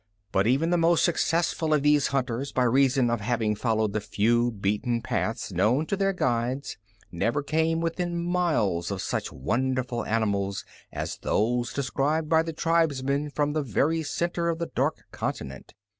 But even the most successful of these hunters, by reason of having followed the few beaten paths known to their guides, never came within miles of such wonderful animals as those described by the tribesmen from the very center of the dark continent.